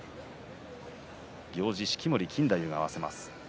行司、式守錦太夫が合わせます。